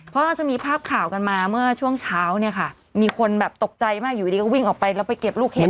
เพราะว่าจะมีภาพข่ากันมาช่วงเช้าเมื่อมีคนตกใจมากอยู่ดีก็วิ่งออกไปรอเก็บลูกเห็น